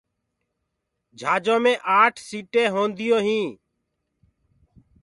جھآجو مي آٺ سيٚٽينٚ هونٚديونٚ